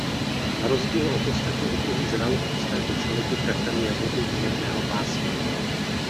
Na rozdíl od ostatních druhů žraloků z této čeledi preferuje vody mírného pásma.